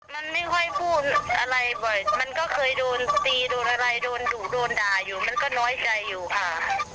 มันไม่ค่อยพูดอะไรบ่อยมันก็เคยโดนตีโดนอะไรโดนดุโดนด่าอยู่มันก็น้อยใจอยู่ค่ะ